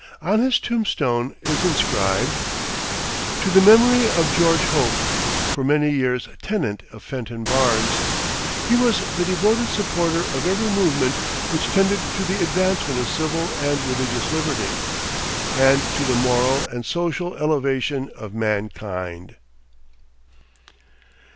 On his tombstone is inscribed: "To the memory of George Hope, for many years tenant of Fenton Barns. He was the devoted supporter of every movement which tended to the advancement of civil and religious liberty, and to the moral and social elevation of mankind."